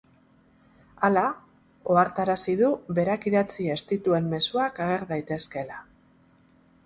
Hala, ohartarazi du berak idatzi ez dituen mezuak ager daitezkeela.